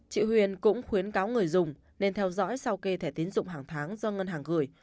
chị huyền cũng khuyến cáo người dùng nên theo dõi sau kê thẻ tiến dụng hàng tháng do ngân hàng gửi